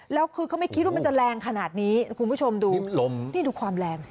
แล้วคือเขาไม่คิดว่ามันจะแรงขนาดนี้คุณผู้ชมดูลมนี่ดูความแรงสิ